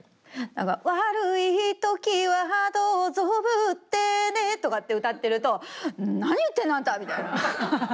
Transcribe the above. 「悪い時はどうぞぶってね」とかって歌ってると「何言ってんのあんた」みたいな。